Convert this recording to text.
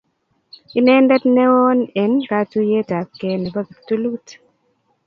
Inendet newon en katuyet ab kee nebo kiptulut